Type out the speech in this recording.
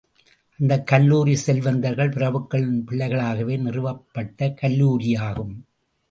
அந்தக் கல்லூரி, செல்வந்தர்கள், பிரபுக்களின் பிள்ளைகளுக்காகவே நிறுவப்பட்ட கல்லூரியாகும்.